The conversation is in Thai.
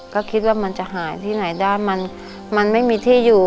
ก็คิดว่ามันจะหายที่ไหนได้มันไม่มีที่อยู่